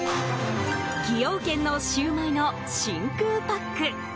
崎陽軒のシウマイの真空パック。